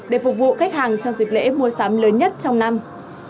để phục vụ khách hàng trong dịp lễ mua sắm lớn nhất trong năm